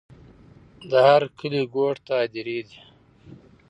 د هر کلي ګوټ ته هدېرې دي.